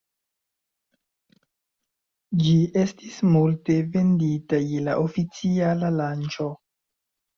Ĝi estis multe vendita je la oficiala lanĉo.